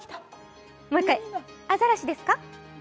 もう一回、アザラシですか？